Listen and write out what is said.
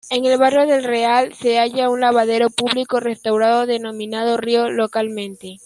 En el barrio del Real se halla un lavadero público restaurado, denominado río localmente.